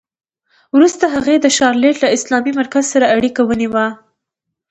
وروسته هغې د شارليټ له اسلامي مرکز سره اړیکه ونیوه